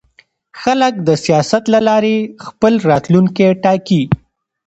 خلک د سیاست له لارې خپل راتلونکی ټاکي